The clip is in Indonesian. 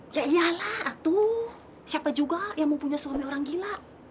ya iyalah atuh siapa juga yang mau punya suami orang gila